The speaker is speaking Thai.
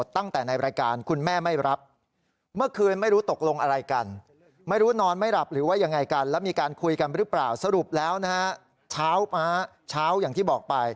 ตั้งแต่ในรายการคุณแม่ไม่รับ